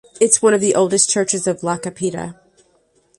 It’s one of the oldest churches of La Cepeda.